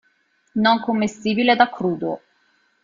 Non commestibile da crudo.